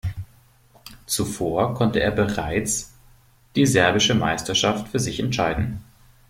Zuvor konnte er bereits die Serbische Meisterschaft für sich entscheiden.